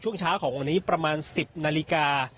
ช่วงเช้าของวันนี้ประมาณ๑๐นาฬิกา